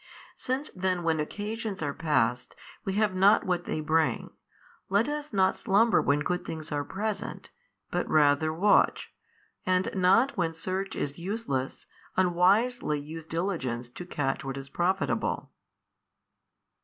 Since then when occasions are passed, we have not what they bring, let us not slumber when good things are present, but rather watch, and not when search is useless, unwisely use diligence to catch what is profitable.